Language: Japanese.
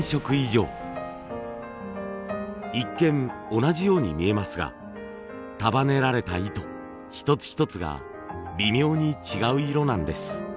一見同じように見えますが束ねられた糸一つ一つが微妙に違う色なんです。